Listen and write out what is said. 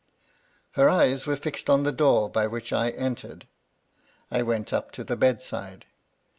" Her eyes were fixed on the door by which I en tered. I went up to the bedside.